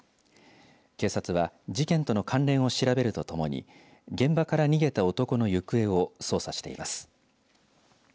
警察は事件との関連を調べるとともに現場から逃げた男の行方を捜査しています。